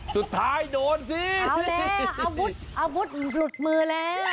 สุดท้ายโดนสิเอาแล้วอาวุธอาวุธหลุดมือแล้ว